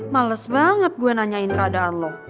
males banget gue nanyain keadaan lo